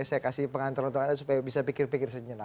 saya kasih pengantar untuk anda supaya bisa pikir pikir sejenak